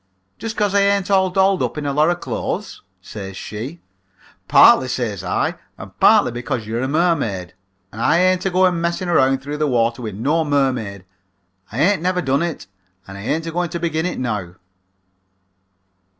"'Just 'cause I ain't all dolled up in a lot of clothes?' says she. "'Partly,' says I, 'and partly because you are a mermaid. I ain't agoing messing around through the water with no mermaid. I ain't never done it and I ain't agoing to begin it now.'